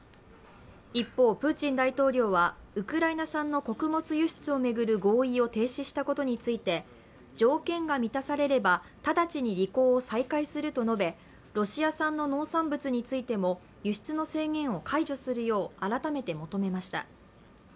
一方、プーチン大統領はウクライナ産の穀物輸出を巡る合意を停止したことについて条件が満たされれば直ちに履行を再開すると述べロシア産の農産物についても輸出の制限を解除するよう改めて求めました。